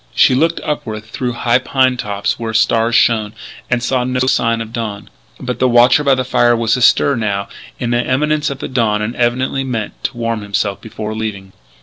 She looked upward through high pine tops where stars shone; and saw no sign of dawn. But the watcher by the fire beyond was astir, now, in the imminence of dawn, and evidently meant to warm himself before leaving.